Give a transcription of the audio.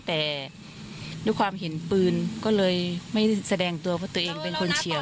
แต่ด้วยความเห็นปืนก็เลยไม่แสดงตัวว่าตัวเองเป็นคนเฉียว